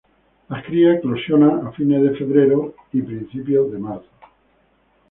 Las crías eclosionan a fines de febrero y principios de marzo.